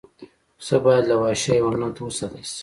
پسه باید له وحشي حیواناتو وساتل شي.